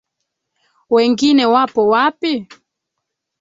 Wengine wapo wapi?